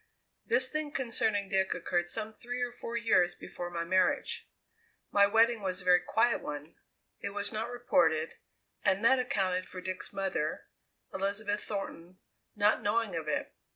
"This thing concerning Dick occurred some three or four years before my marriage. My wedding was a very quiet one; it was not reported, and that accounted for Dick's mother Elizabeth Thornton not knowing of it.